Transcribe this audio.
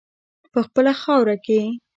په خپله خاوره کې.